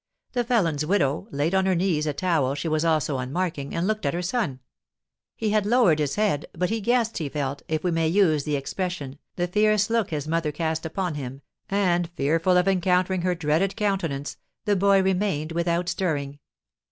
The felon's widow laid on her knees a towel she was also unmarking, and looked at her son. He had lowered his head, but he guessed he felt, if we may use the expression, the fierce look his mother cast upon him, and, fearful of encountering her dreaded countenance, the boy remained without stirring.